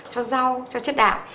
cho rau cho chất đạo